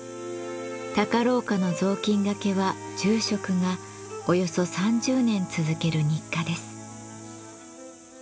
高廊下の雑巾がけは住職がおよそ３０年続ける日課です。